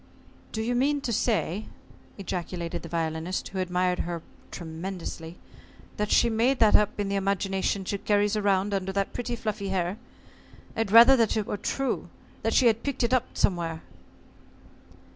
"Do you mean to say," ejaculated the Violinist, who admired her tremendously, "that she made that up in the imagination she carries around under that pretty fluffy hair? I'd rather that it were true that she had picked it up somewhere."